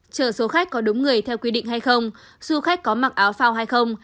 chờ số khách có đúng người theo quy định hay không du khách có mặc áo phao hay không